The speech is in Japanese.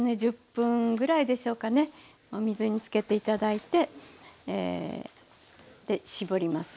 １０分ぐらいでしょうかねお水につけて頂いて絞ります。